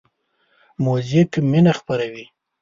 موزیک مینه خپروي.